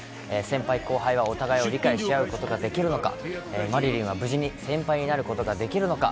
先輩、後輩はお互いを理解し合うことができるのか、マリリンは無事に先輩なることができるのか。